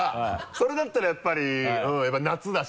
それだったらやっぱり夏だし。